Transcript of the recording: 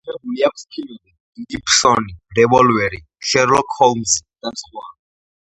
გადაღებული აქვს ფილმები „დიდი ფსონი“, „რევოლვერი“, „შერლოკ ჰოლმზი“ და სხვა.